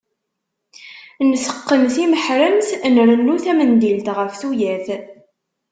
Nteqqen timeḥremt, nrennu tamendilt ɣef tuyat.